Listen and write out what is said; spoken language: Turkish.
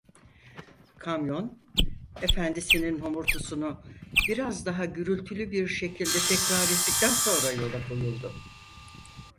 Kamyon, efendisinin homurtusunu biraz daha gürültülü bir şekilde tekrar ettikten sonra yola koyuldu.